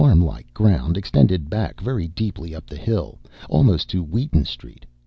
"] The farm like ground extended back very deeply up the hill, almost to Wheaton Street.